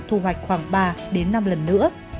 thu hoạch khoảng ba năm lần nữa